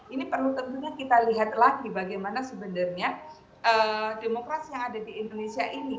ini perlu tentunya kita lihat lagi bagaimana sebenarnya demokrasi yang ada di indonesia ini